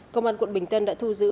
công an quận bình tân đã thu giữ